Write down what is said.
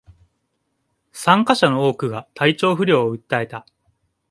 参加者の多くが体調不良を訴えた